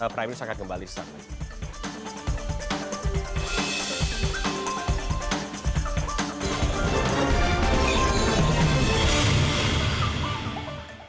prime news akan kembali setelah ini